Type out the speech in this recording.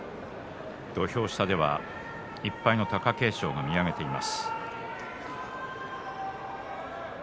土俵下では１敗の貴景勝が見上げています。